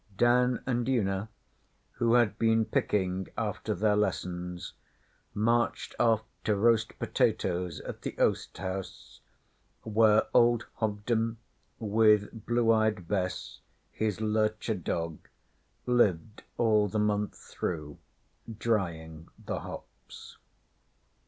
Dan and Una, who had been picking after their lessons, marched off to roast potatoes at the oast house, where old Hobden, with Blue eyed Bess, his lurcher dog, lived all the month through, drying the hops.